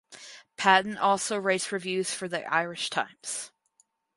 Patten also writes reviews for The Irish Times.